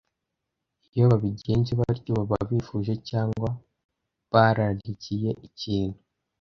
Iyo babigenje batyo baba bifuje cyangwa bararikiye ikintu